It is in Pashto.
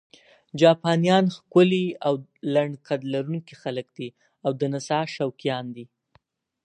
جاپانیان ښکلي او لنډ قد لرونکي خلک دي او د نڅا شوقیان دي.